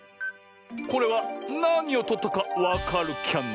これはなにをとったかわかるキャな？